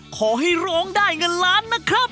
ขอให้ร้องได้เงินล้านนะครับ